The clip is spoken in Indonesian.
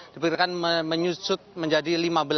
diperkirakan menyusut menjadi lima belas